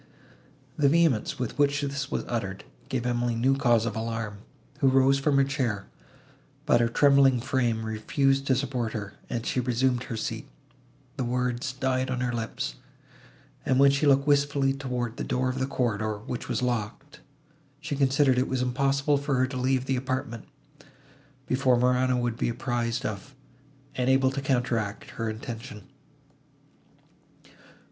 The vehemence, with which this was uttered, gave Emily new cause of alarm, who arose from her chair, but her trembling frame refused to support her, and she resumed her seat;—the words died on her lips, and, when she looked wistfully towards the door of the corridor, which was locked, she considered it was impossible for her to leave the apartment, before Morano would be apprised of, and able to counteract, her intention.